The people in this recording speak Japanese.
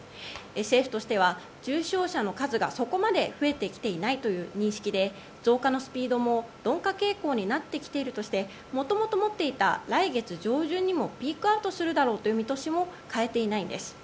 政府としては重症者の数がそこまで増えてきていないという認識で増加のスピードも鈍化傾向になってきているとしてもともと持っていた来月上旬にもピークアウトするだろうという見通しを変えていないんです。